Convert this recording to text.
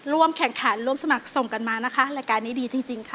ร่วมแข่งขันร่วมสมัครส่งกันมานะคะรายการนี้ดีจริงค่ะ